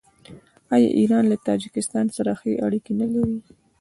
آیا ایران له تاجکستان سره ښې اړیکې نلري؟